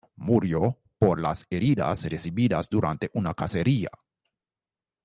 Murió por las heridas recibidas durante una cacería.